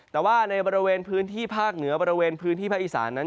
แต่ว่าในบริเวณพื้นที่ภาคเหนือบริเวณพื้นที่ภาคอีสานนั้น